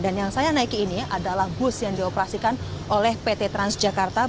dan yang saya naiki ini adalah bus yang dioperasikan oleh pt trans jakarta